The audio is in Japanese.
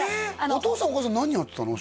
お父さんお母さん何やってたの？